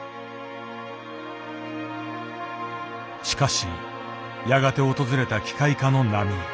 しかしやがて訪れた機械化の波。